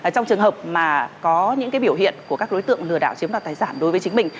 trong trường hợp mà có những biểu hiện của các đối tượng lừa đảo chiếm đoạt tài sản đối với chính mình